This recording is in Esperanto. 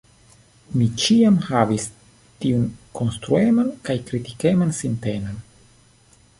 Mi ĉiam havis tiun konstrueman kaj kritikeman sintenon.